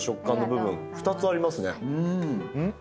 部分２つありますね。